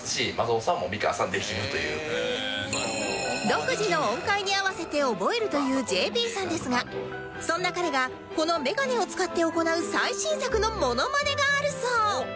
独自の音階に合わせて覚えるという ＪＰ さんですがそんな彼がこのメガネを使って行う最新作のモノマネがあるそう